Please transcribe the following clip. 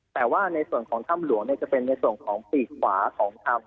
แต่ว่าในส่วนของถ้ำหลวงจะเป็นในส่วนของปีกขวาของถ้ำ